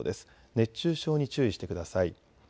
熱中症に注意してください。